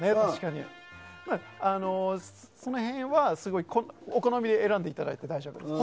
その辺は、お好みで選んでいただいて大丈夫です。